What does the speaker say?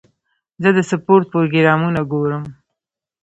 زه د سپورټ پروګرامونه ګورم.